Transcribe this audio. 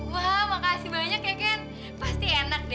wah makasih banyak ya kan pasti enak deh